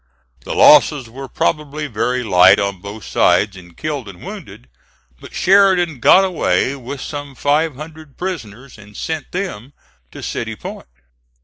The losses were probably very light on both sides in killed and wounded, but Sheridan got away with some five hundred prisoners and sent them to City Point.